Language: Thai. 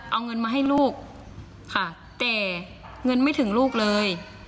เอาเงินมาให้ลูกค่ะแต่เงินไม่ถึงลูกเลย